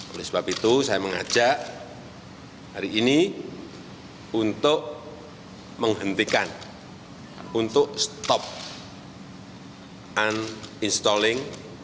oleh sebab itu saya mengajak hari ini untuk menghentikan untuk stop uninstalling